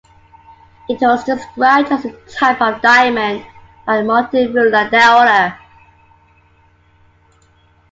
It was described as a type of diamond by Martin Ruland the Elder.